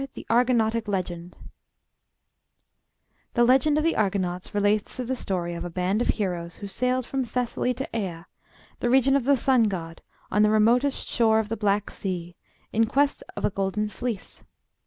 THE ARGONAUTIC LEGEND The legend of the Argonauts relates to the story of a band of heroes who sailed from Thessaly to Æa, the region of the Sun god on the remotest shore of the Black Sea, in quest of a Golden Fleece.